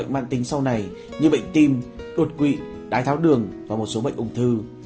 mạng tính sau này như bệnh tim đột quỵ đái tháo đường và một số bệnh ung thư